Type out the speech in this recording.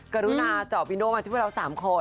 กรุณาจอบอิโน่มาช่วยเราสามคน